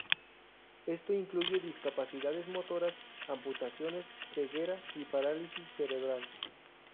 Esto incluye discapacidades motoras, amputaciones, ceguera y parálisis cerebral.